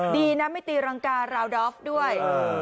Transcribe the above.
ดีนะไม่ตีรังการาวดอฟด้วย